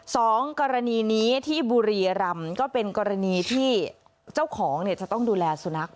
สองกรณีนี้ที่บุรีรำก็เป็นกรณีที่เจ้าของเนี่ยจะต้องดูแลสุนัข